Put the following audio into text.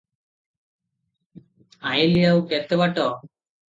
ଆଇଁଲି ଆଉ କେତେ ବାଟ?